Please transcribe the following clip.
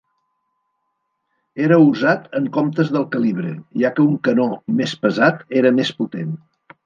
Era usat en comptes del calibre, ja que un canó més pesat era més potent.